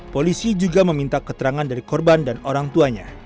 polisi juga meminta keterangan dari korban dan orang tuanya